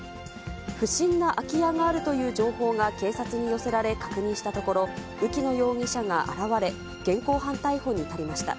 不審な空き家があるという情報が警察に寄せられ、確認したところ、浮野容疑者が現れ、現行犯逮捕に至りました。